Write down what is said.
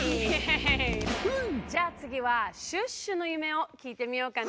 じゃあつぎはシュッシュの夢をきいてみようかな！